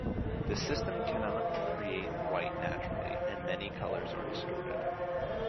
The system cannot create white naturally, and many colors are distorted.